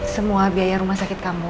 semua biaya rumah sakit kamu